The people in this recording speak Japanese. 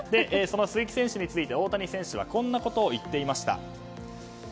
その鈴木選手について大谷選手はこんなことを言ってました。